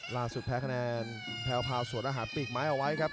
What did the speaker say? แพ้คะแนนแพลวพาวสวนอาหารปีกไม้เอาไว้ครับ